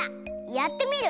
やってみる！